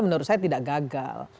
menurut saya tidak gagal